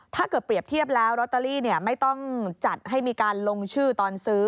ถ้าเกิดเปรียบเทียบแล้วลอตเตอรี่ไม่ต้องจัดให้มีการลงชื่อตอนซื้อ